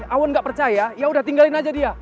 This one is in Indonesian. awan gak percaya yaudah tinggalin aja dia